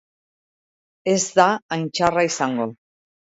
Ez da hain txarra izango.